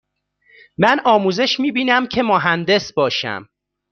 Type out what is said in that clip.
من آموزش می بینم که مهندس باشم.